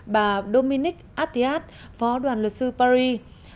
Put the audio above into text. bà dominique attiat phó đoàn luật sư paris